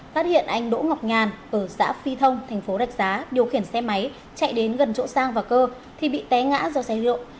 phát hiện anh đỗ ngọc nhàn ở xã phi thông thành phố rạch giá điều khiển xe máy chạy đến gần chỗ sang và cơ thì bị té ngã do say rượu